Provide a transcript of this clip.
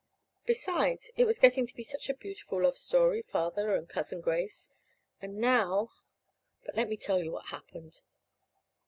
Besides, it was getting to be such a beautiful love story Father and Cousin Grace. And now But let me tell you what happened.